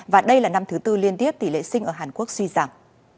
và đây là năm thứ tư liên tiếp tỷ lệ sinh ở hàn quốc suy giảm